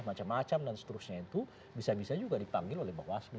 macam macam dan seterusnya itu bisa bisa juga dipanggil oleh bawaslu